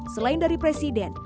selain dari presiden